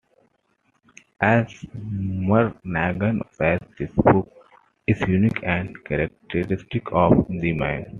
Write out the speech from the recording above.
As Murnaghan says, this book is unique and characteristic of the man.